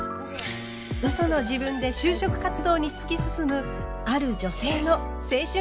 嘘の自分で就職活動に突き進むある女性の青春物語。